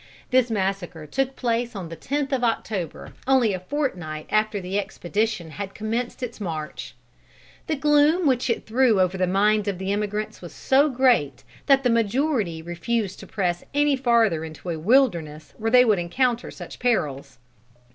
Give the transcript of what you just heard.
This massacre took place on the tenth of October, only a fortnight after the expedition had commenced its march. The gloom which it threw over the minds of the emigrants was so great, that the majority refused to press any farther into a wilderness where they would encounter such perils.